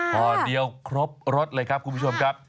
พอเดียวครบรสเลยครับคุณผู้ชมครับ